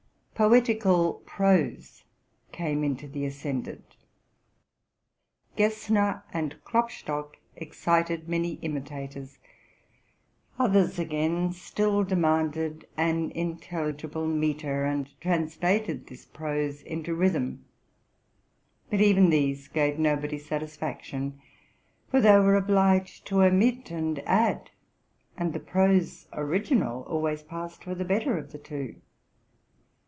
Poetical prose came into the ascendant. Gessner and Klopstock excited many imitators : others, again, still demanded an intelligible metre, and trans lated this prose into rhythm. But even these gave nobody. satisfaction, for they were obliged to omit and add ; and the prose original always passed for the better of the two.